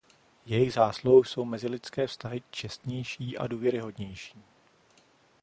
Jejich zásluhou jsou mezilidské vztahy čestnější a důvěryhodnější.